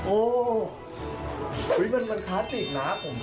โอ้ยมันพลาสติกนะผม